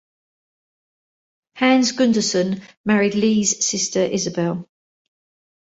Hans Gunderson married Lee's sister Isabel.